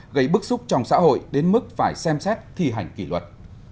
gây bức xúc trong xã hội đến mức phải xem xét thi hành kỷ luật